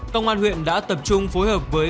công an huyện đã tập trung phối hợp với